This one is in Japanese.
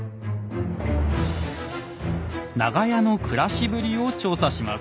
長屋の暮らしぶりを調査します。